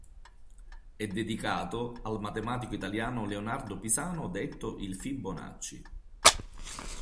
È dedicato al matematico italiano Leonardo Pisano detto il Fibonacci.